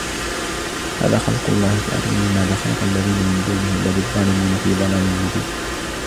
هَذَا خَلْقُ اللَّهِ فَأَرُونِي مَاذَا خَلَقَ الَّذِينَ مِنْ دُونِهِ بَلِ الظَّالِمُونَ فِي ضَلَالٍ مُبِينٍ